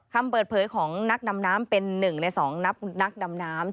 คำเปิดเผยของนักดำน้ำเป็น๑ใน๒นักดำน้ำ